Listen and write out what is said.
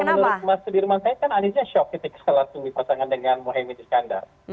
kalau menurut mas sudirman saya kan aniesnya shock ketika langsung dipasangkan dengan mohaimin iskandar